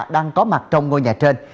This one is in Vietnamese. đang có mặt trong ngôi nhà trên